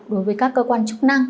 đối với các cơ quan chức năng